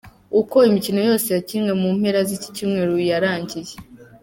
Uko imikino yose yakinwe mu mpera z’iki cyumweru yarangiye:.